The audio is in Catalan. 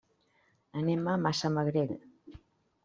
Anem a Massamagrell.